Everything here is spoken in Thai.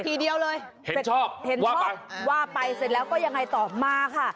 ทีเดียวเลยเห็นชอบเห็นชอบว่าไปเสร็จแล้วก็ยังไงต่อมาค่ะ